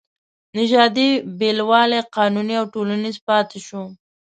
نژادي بېلوالی قانوني او ټولنیز پاتې شو.